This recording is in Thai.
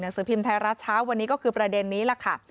สือพิมพ์ไทยรัฐเช้าวันนี้ก็คือประเด็นนี้ล่ะค่ะ